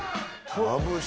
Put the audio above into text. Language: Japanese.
まぶしい。